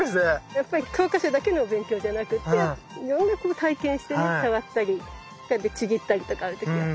やっぱり教科書だけのお勉強じゃなくていろんなこう体験してね触ったりちぎったりとかある時は。